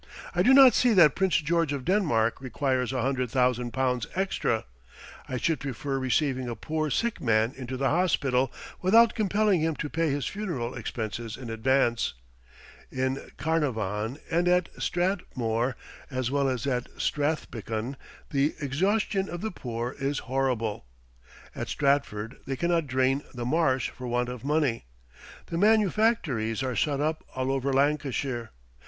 I do not see that Prince George of Denmark requires a hundred thousand pounds extra. I should prefer receiving a poor sick man into the hospital, without compelling him to pay his funeral expenses in advance. In Carnarvon, and at Strathmore, as well as at Strathbickan, the exhaustion of the poor is horrible. At Stratford they cannot drain the marsh for want of money. The manufactories are shut up all over Lancashire.